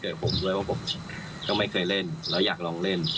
กับผมด้วยว่าผมก็ไม่เคยเล่นแล้วอยากลองเล่น